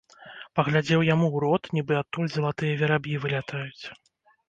Паглядзеў яму ў рот, нібы адтуль залатыя вераб'і вылятаюць.